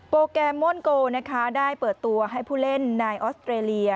โปรแกรมโม้นโกได้เปิดตัวให้ผู้เล่นในออสเตรเลีย